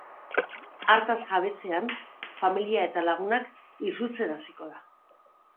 Hartaz jabetzean, familia eta beren lagunak izutzen hasiko da.